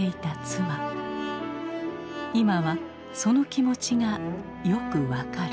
今はその気持ちがよく分かる。